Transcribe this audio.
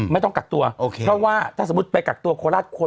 ไม่ต้องกักตัวโอเคเพราะว่าถ้าสมมุติไปกักตัวโคราชคน